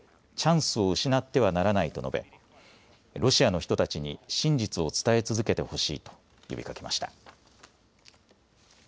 チャンスを失ってはならないと述べ、ロシアの人たちに真実を伝え続けてほしいと呼びかけました。